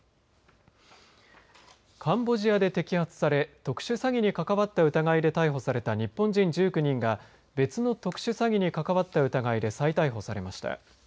カンボジアで摘発され特殊詐欺に関わった疑いで逮捕された日本人１９人が別の特殊詐欺に関わった疑いで再逮捕されました。